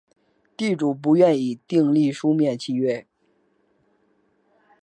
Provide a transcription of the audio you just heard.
地主不愿意订立书面契约